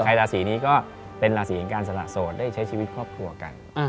ราศีนี้ก็เป็นราศีของการสละโสดได้ใช้ชีวิตครอบครัวกัน